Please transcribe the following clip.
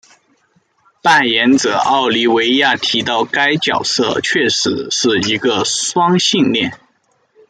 扮演者奥利维亚提到该角色确实是一个双性恋。